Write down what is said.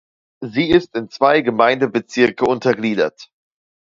Sie ist in zwei Gemeindebezirke untergliedert.